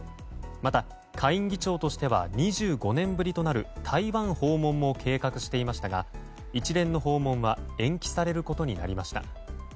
また、下院議長としては２５年ぶりとなる台湾訪問も計画されていましたが一連の訪問は延期されることになりました。